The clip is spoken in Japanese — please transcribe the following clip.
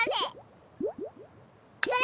それ。